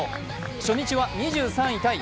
初日は２３位タイ。